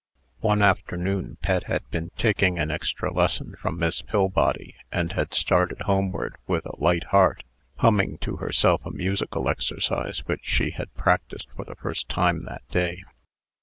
One afternoon, Pet had been taking an extra lesson from Miss Pillbody, and had started homeward with a light heart, humming to herself a musical exercise which she had practised for the first time that day.